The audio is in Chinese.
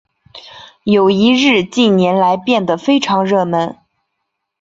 友谊日近年来变得非常热门。